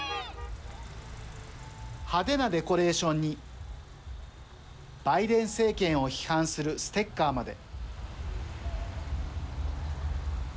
派手なデコレーションにバイデン政権を批判するステッカーまで。